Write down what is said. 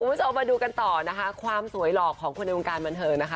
คุณผู้ชมมาดูกันต่อนะคะความสวยหลอกของคนในวงการบันเทิงนะคะ